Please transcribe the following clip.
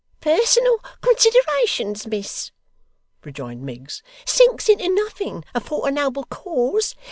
'Personal considerations, miss,' rejoined Miggs, 'sinks into nothing, afore a noble cause.